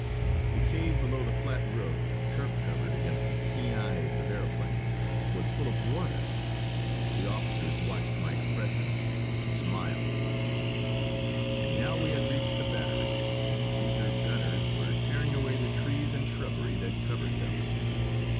The cave below the flat roof, turf covered against the keen eyes of aeroplanes, was full of water. The officers watched my expression and smiled. And now we had reached the battery, and eager gunners were tearing away the trees and shrubbery that covered them.